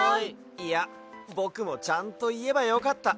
いやぼくもちゃんといえばよかった。